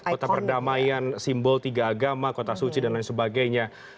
kota perdamaian simbol tiga agama kota suci dan lain sebagainya